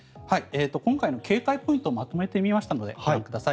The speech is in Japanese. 今回の警戒ポイントをまとめてみましたのでご覧ください。